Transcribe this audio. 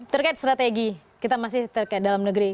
terkait strategi kita masih terkait dalam negeri